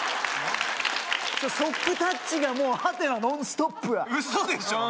ソックタッチがもうハテナノンストップウソでしょう？